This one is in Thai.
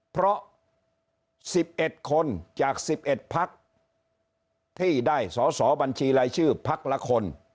เพราะ๑๑คนจาก๑๑พักที่ได้สอสอบัญชีรายชื่อพักละคน